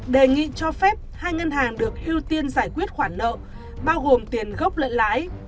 đề nghị cho phép hai ngân hàng được ưu tiên giải quyết khoản nợ bao gồm tiền gốc lẫn lãi